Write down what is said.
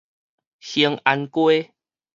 興安街